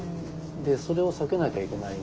それを避けなきゃいけない。